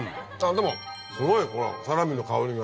でもすごいサラミの香りが。